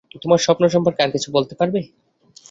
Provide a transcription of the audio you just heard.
তোমার স্বপ্ন সম্পর্কে আর কিছু বলতে পারবে?